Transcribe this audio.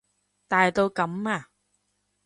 大到噉啊？